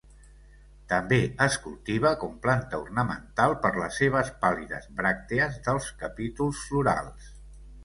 També es cultiva com planta ornamental per les seves pàl·lides bràctees dels capítols florals.